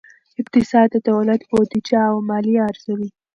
اقتصاد د دولت بودیجه او مالیه ارزوي.